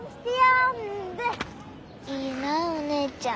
いいなお姉ちゃん。